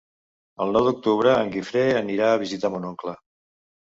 El nou d'octubre en Guifré anirà a visitar mon oncle.